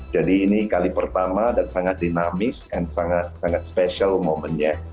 jadi ini kali pertama dan sangat dinamis and sangat special momennya